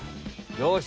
よし。